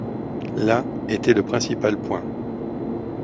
Là était le principal point.